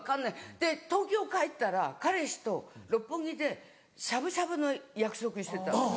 で東京帰ったら彼氏と六本木でしゃぶしゃぶの約束してたの。